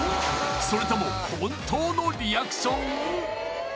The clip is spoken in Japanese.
それとも本当のリアクション？